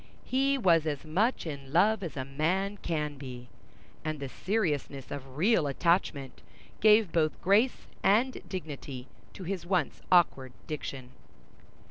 He was as much in love as a man can be, and the seriousness of real attachment gave both grace and dignity to his once awkward diction.